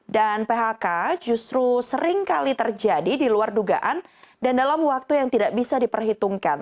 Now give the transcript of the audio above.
dan phk justru sering kali terjadi di luar dugaan dan dalam waktu yang tidak bisa diperhitungkan